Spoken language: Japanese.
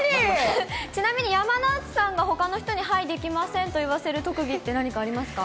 ちなみに、山之内さんがほかの人に、はい、できませんと言わせる特技って何かありますか？